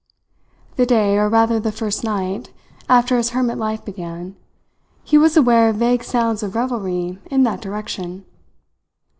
The day or rather the first night after his hermit life began, he was aware of vague sounds of revelry in that direction.